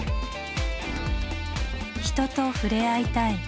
人と触れ合いたい。